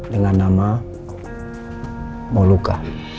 dengan nama molucca